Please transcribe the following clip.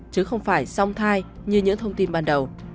chứ không phải song thai như những thông tin ban đầu